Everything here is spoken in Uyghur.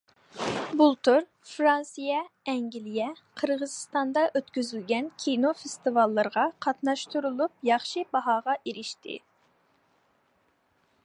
بۇلتۇر فىرانسىيە، ئەنگلىيە، قىرغىزىستاندا ئۆتكۈزۈلگەن كىنو فېستىۋاللىرىغا قاتناشتۇرۇلۇپ، ياخشى باھاغا ئېرىشتى.